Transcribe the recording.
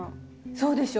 そうでしょ。